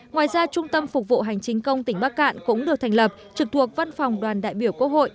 ngoài ra trung tâm phục vụ hành chính công tỉnh bắc cạn cũng được thành lập trực thuộc văn phòng đoàn đại biểu quốc hội